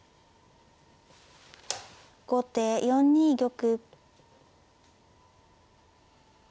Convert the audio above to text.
後手４二玉。